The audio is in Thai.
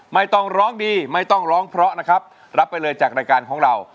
ไม่ต้องร้องดีไม่ต้องร้องเพราะนะครับรับไปเลยจากรายการของเรา